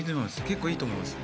結構いいと思います